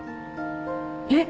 えっ！